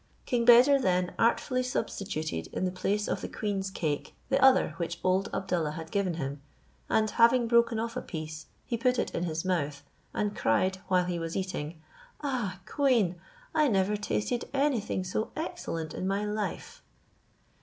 King Beder then artfully substituted in the place of the queen's cake the other which old Abdallah had given him, and having broken off a piece, he put it in his mouth, and cried, while he was eating, "Ah! queen, I never tasted anything so excellent in my life."